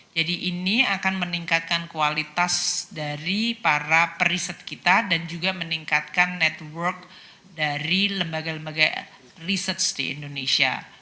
jadi ini akan meningkatkan kualitas dari para periset kita dan juga meningkatkan network dari lembaga lembaga research di indonesia